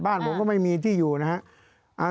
บ้านผมก็ไม่มีที่อยู่นะครับ